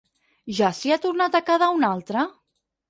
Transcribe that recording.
Ja s'hi ha tornat a quedar un altre?